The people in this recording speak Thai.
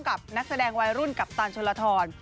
กับแก่นเป็นนักแสดงวายรุ่นกับตานชลศรธร